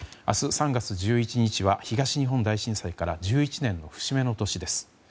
明日、３月１１日は東日本大震災から１１年の節目の年です。